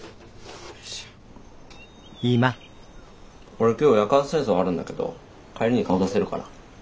俺今日夜間清掃あるんだけど帰りに顔出せるから。